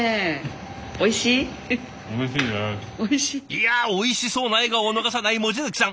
いやおいしそうな笑顔を逃さない望月さん。